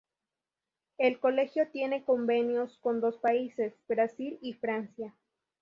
El colegio tiene convenios con dos países, Brasil y Francia.